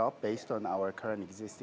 berdasarkan produk produk kita